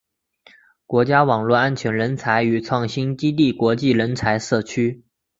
国家网络安全人才与创新基地国际人才社区